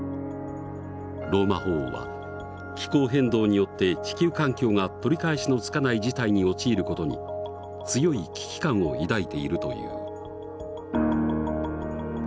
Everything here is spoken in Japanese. ローマ法王は気候変動によって地球環境が取り返しのつかない事態に陥る事に強い危機感を抱いているという。